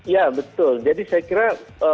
ya betul jadi saya kira